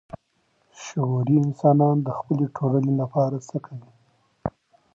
شعوري انسانان د خپلي ټولني لپاره څه کوي؟